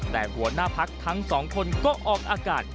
แต่หัวหน้าพักทั้งสองคนก็ออกอากาศ